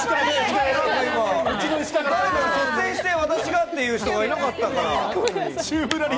率先して私がっていう人がいなかったから。